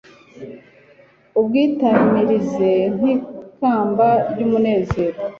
ubwitamirize nk'ikamba ry'umunezero